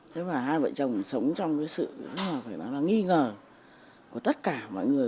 thế và hai vợ chồng sống trong cái sự rất là phải nói là nghi ngờ của tất cả mọi người